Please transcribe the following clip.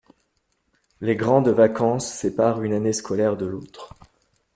Les grandes vacances séparent une année scolaire de l'autre.